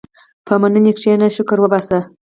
په مننې کښېنه، شکر وباسه.